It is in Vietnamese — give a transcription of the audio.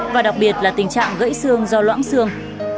và đặc biệt là tình trạng gãy xương do loãng xương